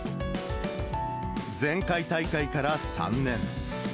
前回大会から３年。